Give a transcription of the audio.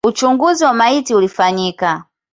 Uchunguzi wa maiti ulifanyika.